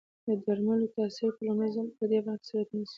د درملو تاثیر په لومړي ځل پدې برخه کې صورت نیسي.